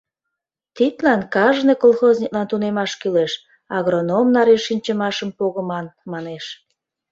Тидлан кажне колхозниклан тунемаш кӱлеш, агроном наре шинчымашым погыман, манеш.